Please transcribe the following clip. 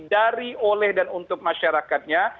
dari oleh dan untuk masyarakatnya